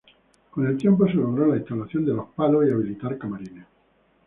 Con el tiempo se logró la instalación de los palos y habilitar camarines.